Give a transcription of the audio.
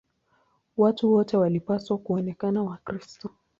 Watu wote walipaswa kuonekana Wakristo.